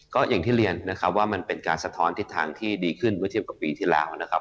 ก็อย่างที่เรียนนะครับว่ามันเป็นการสะท้อนทิศทางที่ดีขึ้นเมื่อเทียบกับปีที่แล้วนะครับ